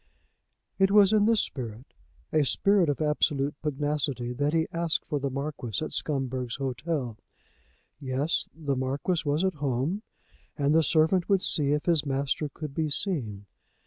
It was in this spirit, a spirit of absolute pugnacity, that he asked for the Marquis at Scumberg's hotel. Yes; the Marquis was at home, and the servant would see if his master could be seen.